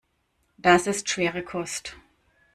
Das ist schwere Kost.